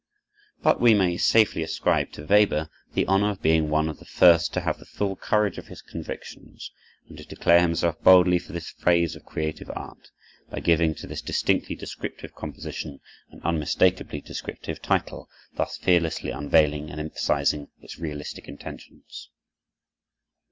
But we may safely ascribe to Weber the honor of being one of the first to have the full courage of his convictions and to declare himself boldly for this phase of creative art, by giving to this distinctly descriptive composition an unmistakably descriptive title, thus fearlessly unveiling and emphasizing its realistic intentions.